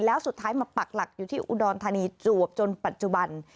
แล้วสุดท้ายมาปักหลักอยู่ที่อุดรธานีจวบจนปัจจุบัน